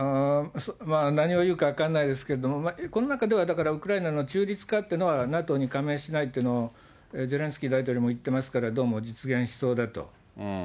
何を言うか分かんないですけど、この中では、だからウクライナの中立化っていうのは、ＮＡＴＯに加盟しないっていうのはゼレンスキー大統領も言ってますから、どうも実現しそうだと。